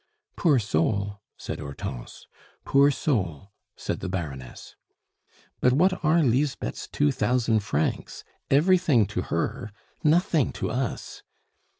"Poor soul!" said Hortense. "Poor soul!" said the Baroness. "But what are Lisbeth's two thousand francs? Everything to her, nothing to us.